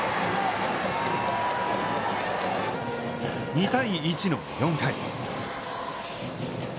２対１の４回。